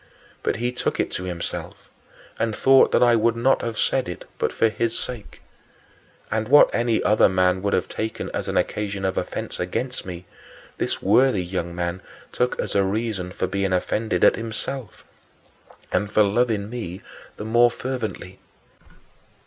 But he took it to himself and thought that I would not have said it but for his sake. And what any other man would have taken as an occasion of offense against me, this worthy young man took as a reason for being offended at himself, and for loving me the more fervently.